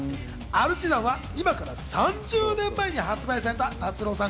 『ＡＲＴＩＳＡＮ』は今から３０年前に発売された達郎さん。